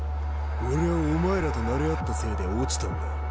俺はお前らとなれ合ったせいで落ちたんだ。